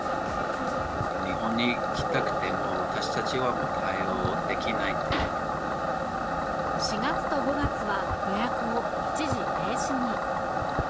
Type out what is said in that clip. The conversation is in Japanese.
日本に行きたくても、４月と５月は予約を一時停止に。